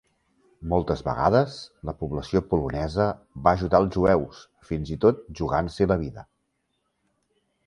Moltes vegades, la població polonesa va ajudar els jueus, fins i tot jugant-s'hi la vida.